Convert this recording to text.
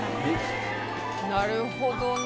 なるほどな。